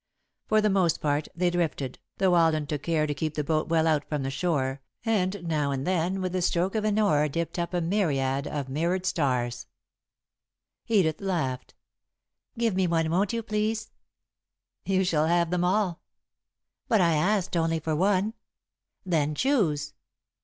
For the most part they drifted, though Alden took care to keep the boat well out from shore, and now and then, with the stroke of an oar dipped up a myriad of mirrored stars. [Sidenote: Seeking for a Message] Edith laughed. "Give me one, won't you, please?" "You shall have them all." "But I asked only for one." "Then choose."